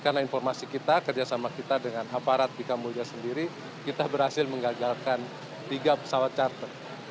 karena informasi kita kerjasama kita dengan aparat bk mulia sendiri kita berhasil mengagalkan tiga pesawat charter